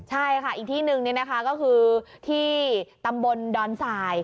ใช่ค่ะอีกที่หนึ่งก็คือที่ตำบลดอนสาย